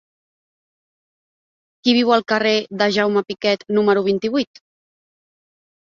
Qui viu al carrer de Jaume Piquet número vint-i-vuit?